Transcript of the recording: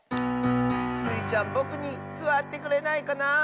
「スイちゃんぼくにすわってくれないかなあ。